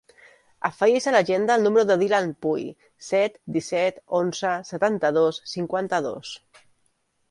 Afegeix a l'agenda el número del Dylan Puy: set, disset, onze, setanta-dos, cinquanta-dos.